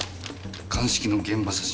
鑑識の現場写真